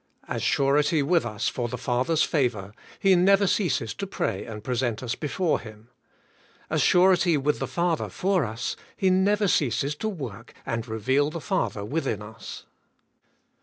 As surety with us for the Father's favour. He never ceases to pray and present us before Him ; as surety with the Father for us. He never ceases to work, and reveal the Father within us.